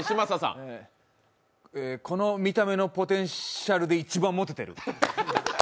この見た目のポテンシャルで一番モテてる。